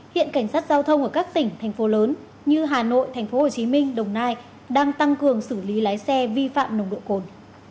hiện cảnh sát giao thông ở các tỉnh thành phố lớn như hà nội tp hcm đồng nai đang tăng cường xử lý lái xe vi phạm nồng độ cồn